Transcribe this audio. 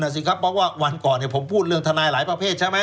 สิครับเพราะว่าวันก่อนผมพูดเรื่องทนายหลายประเภทใช่ไหม